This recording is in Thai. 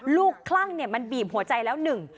ลูกคลั่งมันบีบหัวใจแล้วหนึ่ง